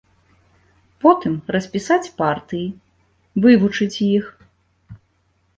Потым распісаць партыі, вывучыць іх.